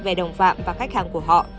về đồng phạm và khách hàng của họ